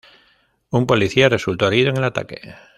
Un policía resultó herido en el ataque.